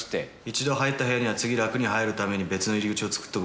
一度入った部屋には次楽に入るために別の入り口を作っておくものなんだ。